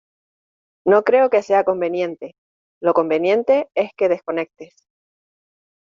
no creo que sea conveniente. lo conveniente es que desconectes